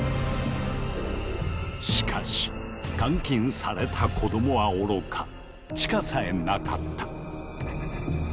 しかし監禁された子どもはおろか地下さえなかった。